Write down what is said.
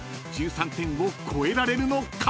［１３点を超えられるのか？］